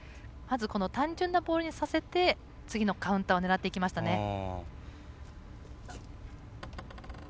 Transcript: まず、単純なボールにさせて次のカウンターを狙っていきましたね。